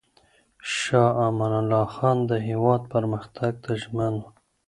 شاه امان الله خان د هېواد پرمختګ ته ژمن و.